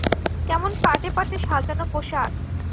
কেমন পাটে পাটে সাজান পোষাক।